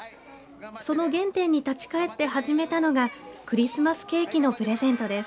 その原点に立ち返って始めたのがクリスマスケーキのプレゼントです。